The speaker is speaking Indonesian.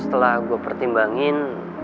setelah gue pertimbangin